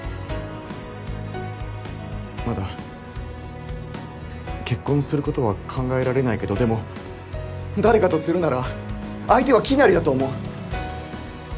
まだ結婚することは考えられないけどでも誰かとするなら相手はきなりだと思う。